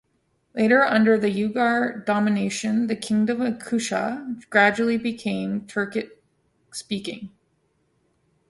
Later, under the Uighur domination, the Kingdom of Kucha gradually became Turkic speaking.